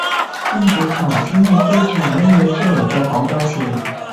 跟住頭先喺機場拎嘢出嚟再講多次